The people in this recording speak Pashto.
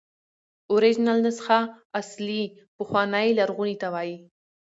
اوریجنل نسخه اصلي، پخوانۍ، لرغوني ته وایي.